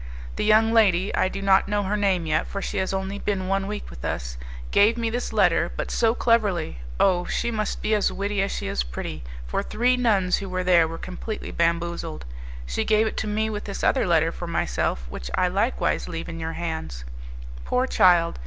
The young lady I do not know her name yet, for she has only been one week with us gave me this letter, but so cleverly! Oh! she must be as witty as she is pretty, for three nuns who were there were completely bamboozled. She gave it to me with this other letter for myself, which I likewise leave in your hands. Poor child!